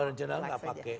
original enggak pakai